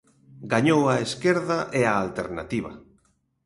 Gañou a esquerda e a alternativa.